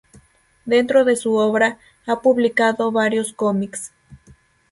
Dentro de su obra, ha publicado varios comics.